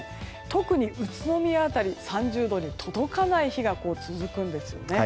特に宇都宮辺り３０度に届かない日が続くんですよね。